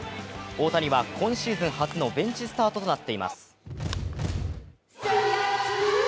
大谷は今シーズン初のベンチスタートとなっています。